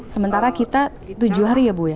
sementara kita tujuh hari ya bu ya